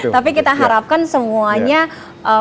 tapi kita harapkan semuanya punya standar